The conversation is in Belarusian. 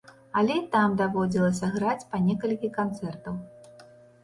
Але і там даводзілася граць па некалькі канцэртаў.